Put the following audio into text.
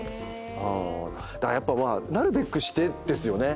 だからなるべくしてですよね